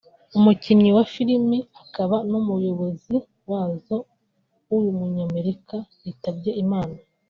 umukinnyi wa filime akaba n’umuyobozi wazo w’umunyamerika yitabye Imana